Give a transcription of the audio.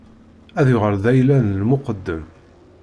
Ad yuɣal d ayla n lmuqeddem.